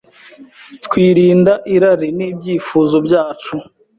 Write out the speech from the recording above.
twirinda irari n’ibyifuzo byacu